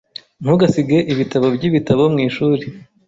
Ntugasige ibitabo byibitabo mwishuri.